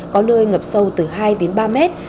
có nơi ngập sâu từ hai đến ba mét